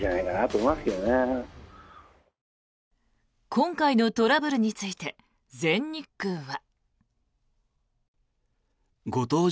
今回のトラブルについて全日空は。